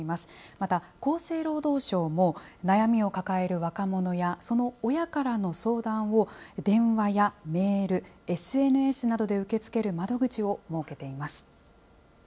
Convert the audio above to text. また、厚生労働省も悩みを抱える若者や、その親からの相談を、電話やメール、ＳＮＳなどで受け付ける窓口を設けています。